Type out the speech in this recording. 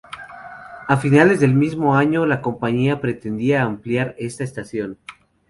A finales del mismo año, la Compañía pretendía ampliar esta estación.